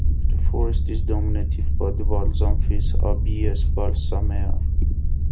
The forest is dominated by the balsam fir ("Abies balsamea").